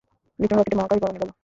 লিটন রকেটে মহাকাশ ভ্রমণে গেল।